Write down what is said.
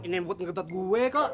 ini buat ngeget gue kok